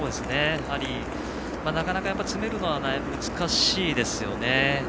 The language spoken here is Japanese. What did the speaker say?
やはり、なかなか詰めるのは難しいですよね。